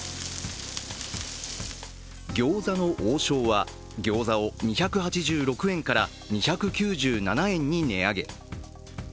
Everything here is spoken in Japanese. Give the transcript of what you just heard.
餃子の王将は、餃子を２８６円から２９７円に値上げ。